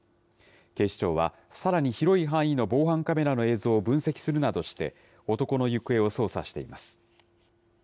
警視庁は、さらに広い範囲の防犯カメラの映像を分析するなどして、男の行方を捜査しています。